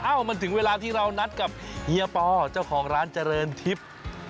มันถึงเวลาที่เรานัดกับเฮียปอเจ้าของร้านเจริญทิพย์